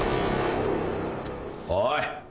おい！